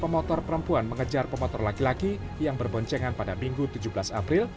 pemotor perempuan mengejar pemotor laki laki yang berboncengan pada minggu tujuh belas april